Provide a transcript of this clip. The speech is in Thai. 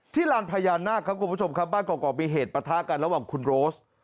ที่ร้านพญานาคครับบ้านกรกมีเหตุประทะกันระหว่างคุณโรส